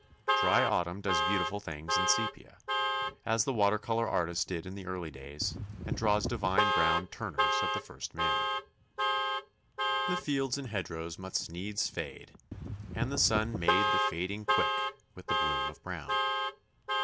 Dry autumn does beautiful things in sepia, as the water colour artist did in the early days, and draws divine brown Turners of the first manner. The fields and hedgerows must needs fade, and the sun made the fading quick with the bloom of brown.